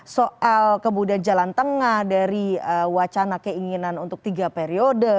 soal kemudian jalan tengah dari wacana keinginan untuk tiga periode